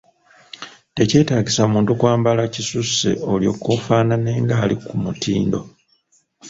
Tekyetaagisa muntu kwambala kisusse olwoke afaanane ng'ali ku mutindo.